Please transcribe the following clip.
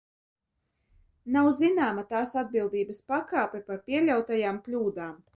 Nav zināma tās atbildības pakāpe par pieļautajām kļūdām.